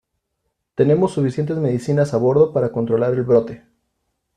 tenemos suficientes medicinas a bordo para controlar el brote.